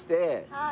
はい。